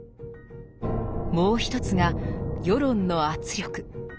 もう一つが世論の圧力。